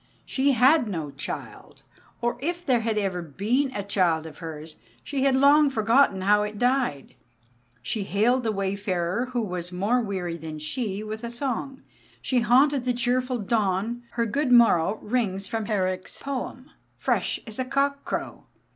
She had no child, or if there had ever been a child of hers, she had long forgotten how it died. She hailed the wayfarer, who was more weary than she, with a song; she haunted the cheerful dawn; her "good morrow" rings from Herrick's poem, fresh as cock crow.